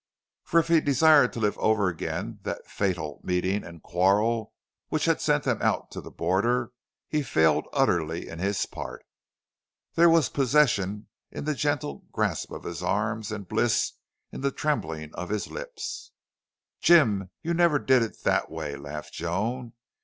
For if he desired to live over again that fatal meeting and quarrel which had sent them out to the border, he failed utterly in his part. There was possession in the gentle grasp of his arms and bliss in the trembling of his lips. "Jim, you never did it that way!" laughed Joan.